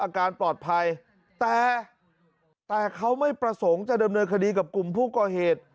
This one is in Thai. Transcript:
อาการปลอดภัยแต่แต่เขาไม่ประสงค์จะดำเนินคดีกับกลุ่มผู้ก่อเหตุ